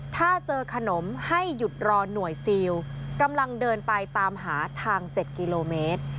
ถ้าเจอขนมให้หยุดรอหน่วยซิลกำลังเดินไปตามหาทาง๗กิโลเมตร